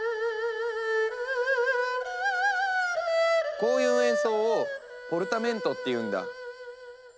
こういう演奏をポルタメントっていうんだ。